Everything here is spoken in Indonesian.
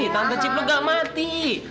tante cipluk gak mati